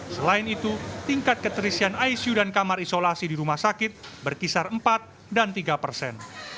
selain itu tingkat keterisian icu dan kamar isolasi di rumah sakit berkisar empat dan tiga persen